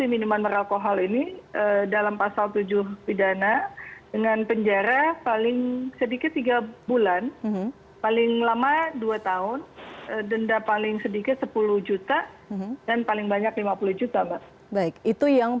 bicara politik bicara kepentingan